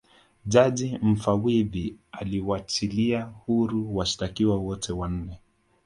jaji mfawidhi aliwachilia huru washitakiwa wote wanne